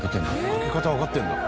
開け方わかってるんだ。